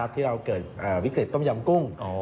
ที่เราเกิดวิกฤตต้มยำกุ้ง